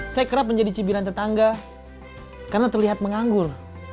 saya kerap menjadi cibiran tetangga karena terlihat menganggur